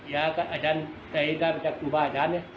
อาจารย์ได้มาจากครูบาอาจารย์เนี่ย